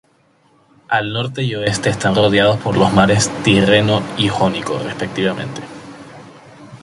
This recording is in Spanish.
Al norte y oeste están rodeados por los mares tirreno y jónico, respectivamente.